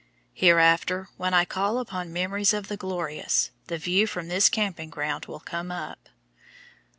Hereafter, when I call up memories of the glorious, the view from this camping ground will come up.